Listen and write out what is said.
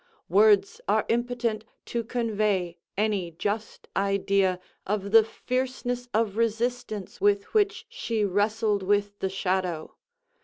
Words are impotent to convey any just idea of the fierceness of resistance with which she wrestled with the Shadow.